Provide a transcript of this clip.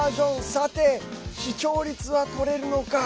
さて、視聴率はとれるのか？